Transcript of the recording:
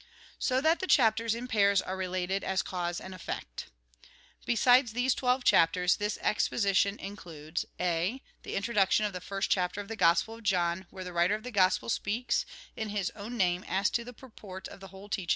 So that the chapters, in pairs, are related as cause and effect. Besides these twelve chapters, this exposition includes —(«) The introduction of the first chapter of the Gospel of John, where the writer of the Gospel speaks, in his own name, as to the purport of the whole tea.